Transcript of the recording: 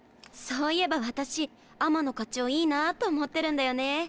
そういえば私天野課長いいなと思ってるんだよね。